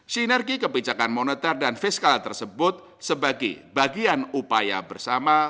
sinergi kebijakan moneter dan fiskal tersebut sebagai bagian upaya bersama